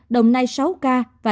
đồng nai sáu ca